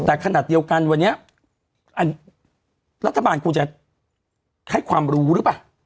แต่ขนาดเดียวกันวันนี้รัฐบาลควรจะให้ความรู้หรือเปล่า